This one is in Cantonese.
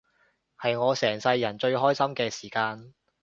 係我成世人最開心嘅時間